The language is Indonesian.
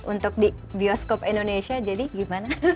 untuk di bioskop indonesia jadi gimana